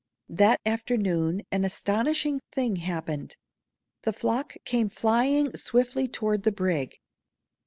That afternoon an astonishing thing happened. The flock came flying swiftly toward the brig.